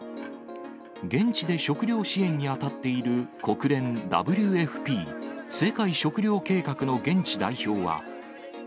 現地で食糧支援に当たっている国連ＷＦＰ・世界食糧計画の現地代